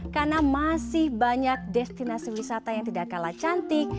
karena masih banyak destinasi wisata yang tidak kalah cantik